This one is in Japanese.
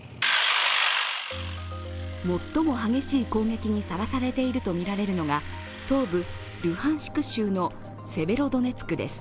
最も激しい攻撃にさらされているとみられるのが東部ルハンシク州のセベロドネツクです。